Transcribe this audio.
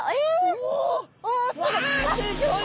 すギョい